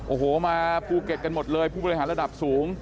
โอ้โหมาภูเก็ตกันหมดเลยผู้บริหารระดับสูง